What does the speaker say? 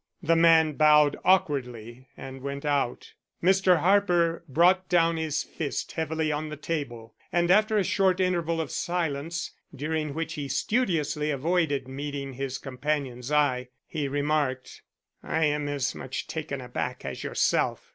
The man bowed awkwardly and went out. Mr. Harper brought down his fist heavily on the table, and after a short interval of silence, during which he studiously avoided meeting his companion's eye, he remarked: "I am as much taken aback as yourself.